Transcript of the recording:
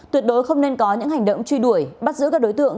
tuyệt đối không nên có những hành động truy đuổi bắt giữ các đối tượng